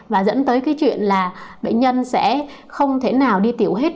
và dẫn tới cái chuyện là bệnh nhân sẽ không thế nào đi tiểu hết